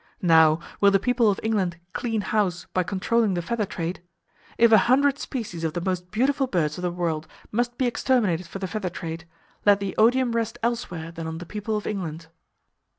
Now, will the people of England clean house by controlling the feather trade? If a hundred species of the most beautiful birds of the world must be exterminated for the feather trade, let the odium rest elsewhere than on the people of England.